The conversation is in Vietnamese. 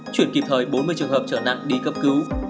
chuyển kịp thời bốn mươi trường hợp trở nặng đi cấp cứu